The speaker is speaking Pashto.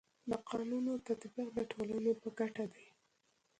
د قانونو تطبیق د ټولني په ګټه دی.